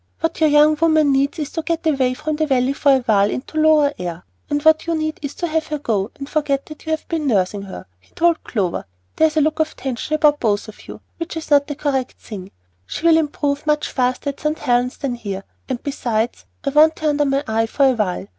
"What your young woman needs is to get away from the Valley for a while into lower air; and what you need is to have her go, and forget that you have been nursing her," he told Clover. "There is a look of tension about you both which is not the correct thing. She'll improve much faster at St. Helen's than here, and besides, I want her under my eye for a while.